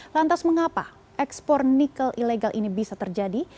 lantas mengapa ekspor nikel ilegal ini bisa terjadi